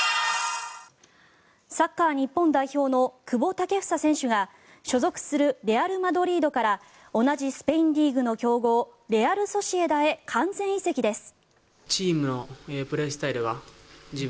サッカー日本代表の久保建英選手が所属するレアル・マドリードから同じスペインリーグの強豪レアル・ソシエダへ完全移籍です。